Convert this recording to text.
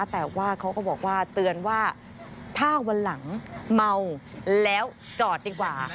แต่ว่าเขาก็บอกว่าเตือนว่าถ้าวันหลังเมาแล้วจอดดีกว่า